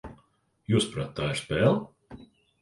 Jūsuprāt, tā ir spēle?